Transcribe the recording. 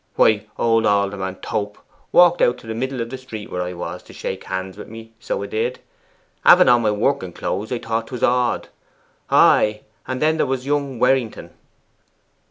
Why, old Alderman Tope walked out to the middle of the street where I was, to shake hands with me so 'a did. Having on my working clothes, I thought 'twas odd. Ay, and there was young Werrington.